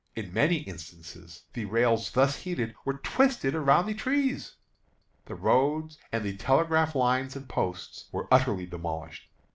In many instances the rails thus heated were twisted around the trees. The road and the telegraph lines and posts were utterly demolished.